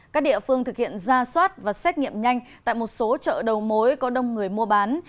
các địa phương thực hiện ra soát và xét nghiệm nhanh tại một số chợ đầu mối có đông người mua bán